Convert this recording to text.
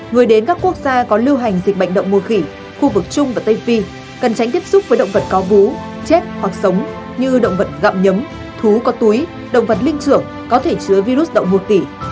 người đến các quốc gia có lưu hành dịch bệnh đậu mùa khỉ khu vực trung và tây phi cần tránh tiếp xúc với động vật có vú chết hoặc sống như động vật gặm nhấm thú có túi động vật linh trưởng có thể chứa virus động một tỷ